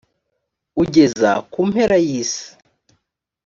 ugeza ku mpera y ‘isi .